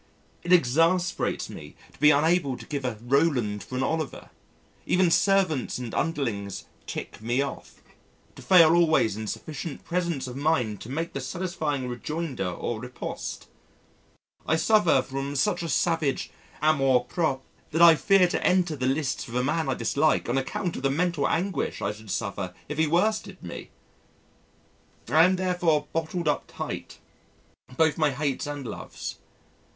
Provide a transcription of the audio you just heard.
It exasperates me to be unable to give a Roland for an Oliver even servants and underlings "tick me off" to fail always in sufficient presence of mind to make the satisfying rejoinder or riposte. I suffer from such a savage amour propre that I fear to enter the lists with a man I dislike on account of the mental anguish I should suffer if he worsted me. I am therefore bottled up tight both my hates and loves.